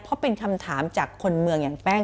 เพราะเป็นคำถามจากคนเมืองอย่างแป้ง